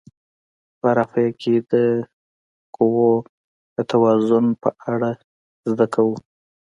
په رافعه کې د قوو د توازن په اړه زده کوو.